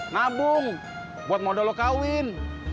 nabung buat modal lu kawin